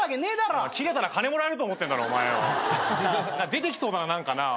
出てきそうだな何かな。